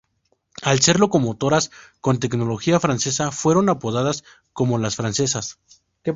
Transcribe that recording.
Al ser locomotoras con tecnología francesa fueron apodadas como las "francesas".